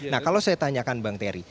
nah kalau saya tanyakan bang terry